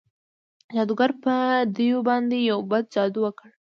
جادوګر په دیو باندې یو بد جادو وکړ.